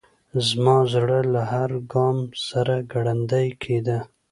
زما زړه له هر ګام سره ګړندی کېده.